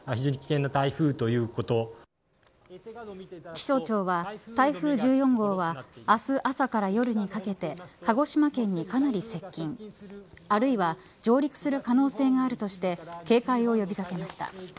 気象庁は、台風１４号は明日朝から夜にかけて鹿児島県にかなり接近あるいは上陸する可能性があるとして警戒を呼び掛けました。